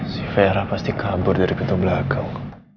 si vera pasti kabur dari pintu belakang